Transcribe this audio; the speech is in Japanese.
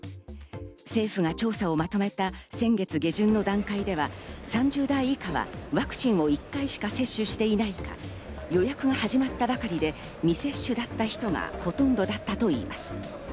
政府が調査をまとめた先月下旬の段階では、３０代以下はワクチンを１回しか接種していないか、予約が始まったばかりで未接種だった人がほとんどだといいます。